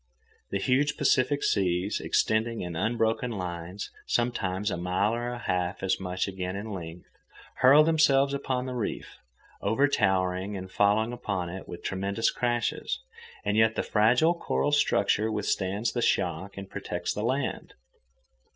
The huge Pacific seas, extending in unbroken lines sometimes a mile or half as much again in length, hurl themselves upon the reef, overtowering and falling upon it with tremendous crashes, and yet the fragile coral structure withstands the shock and protects the land.